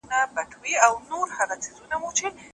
پر تندي مي سجده نسته له انکار سره مي ژوند دی